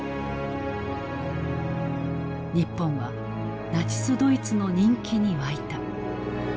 日本はナチスドイツの人気に沸いた。